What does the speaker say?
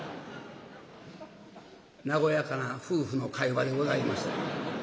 和やかな夫婦の会話でございました。